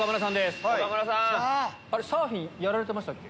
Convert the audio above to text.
サーフィンやられてましたっけ？